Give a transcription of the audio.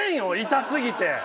痛すぎて。